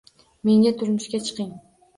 Menga turmushga chiqing